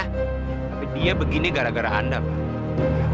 tapi dia begini gara gara anda pak